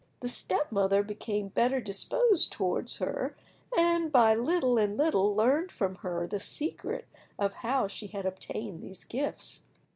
The step mother became better disposed towards her, and by little and little learned from her the secret of how she had obtained these gifts.